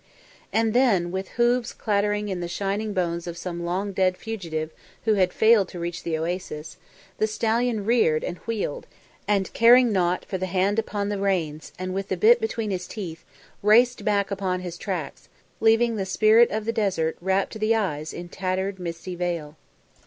And then, with hoofs clattering in the shining bones of some long dead fugitive who had failed to reach the oasis, the stallion reared and wheeled, and, caring naught for the hand upon the reins and with the bit between his teeth, raced back upon his tracks, leaving the Spirit of the Desert wrapped to the eyes in tattered misty veil.